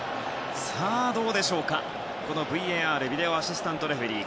どうでしょう、ＶＡＲ・ビデオアシスタントレフェリー。